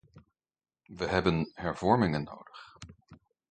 We hebben hervormingen nodig.